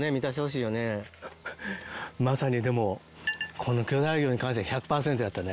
まさにでもこの巨大魚に関しては１００％やったね。